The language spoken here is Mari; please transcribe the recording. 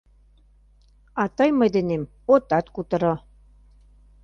А тый мый денем отат кутыро...